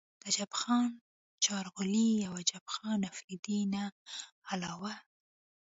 د عجب خان چارغولۍ او عجب خان افريدي نه علاوه